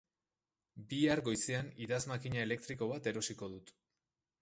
Bihar goizean idazmakina elektriko bat erosiko dut.